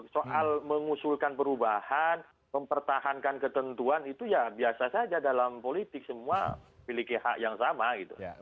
soal mengusulkan perubahan mempertahankan ketentuan itu ya biasa saja dalam politik semua miliki hak yang sama gitu